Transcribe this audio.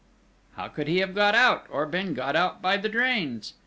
"How could he have got out, or been got out by the drains?